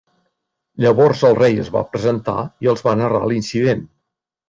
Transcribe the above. Llavors el rei es va presentar i els va narrar l'incident.